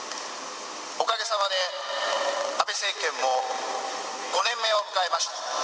おかげさまで安倍政権も５年目を迎えました。